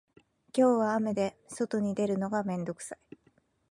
今日は雨で外に出るのが面倒くさい